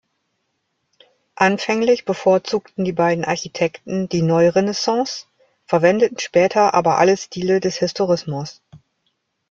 Anfänglich bevorzugten die beiden Architekten die Neurenaissance, verwendeten später aber alle Stile des Historismus.